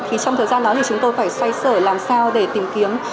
trong thời gian đó chúng tôi phải xoay sở làm sao để tìm kiếm